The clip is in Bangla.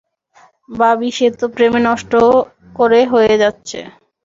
ভাবি, সে তো প্রেমে নষ্ট করে হয়ে যাচ্ছে!